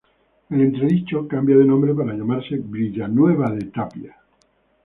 El Entredicho cambia de nombre para llamarse Villanueva de Tapia.